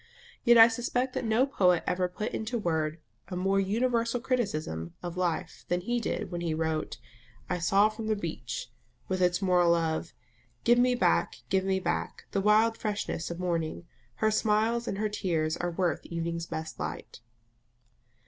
Yet I suspect that no poet ever put into words a more universal criticism of life than he did when he wrote "I saw from the beach," with its moral of "Give me back, give me back, the wild freshness of morning Her smiles and her tears are worth evening's best light."